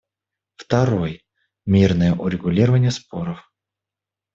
Второй — мирное урегулирование споров.